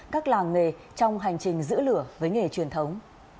các làng nghề trong hành trình giữ lửa với nghề truyền thống